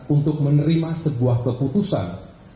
untuk menerima sebuah keputusan